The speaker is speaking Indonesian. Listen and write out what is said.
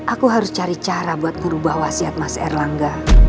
aku harus cari cara buat merubah wasiat mas erlang